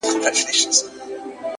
لاسو كې توري دي لاسو كي يې غمى نه دی،